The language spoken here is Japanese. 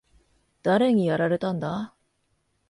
誰にやられたんだ？